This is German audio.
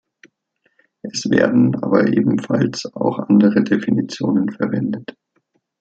Es werden aber ebenfalls auch andere Definitionen verwendet.